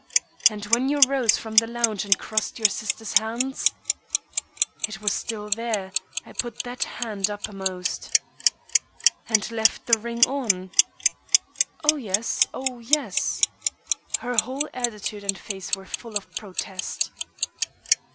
"And when you rose from the lounge and crossed your sister's hands?" "It was still there; I put that hand uppermost." "And left the ring on?" "Oh, yes oh, yes." Her whole attitude and face were full of protest.